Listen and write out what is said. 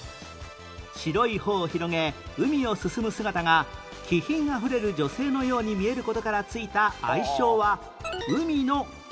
白い帆を広げ海を進む姿が気品あふれる女性のように見える事から付いた愛称は海の何？